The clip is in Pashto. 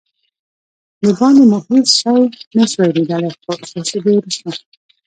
دباندې مو هېڅ شی نه شوای لیدلای، څو شېبې وروسته.